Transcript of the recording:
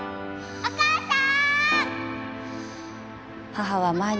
お母さん！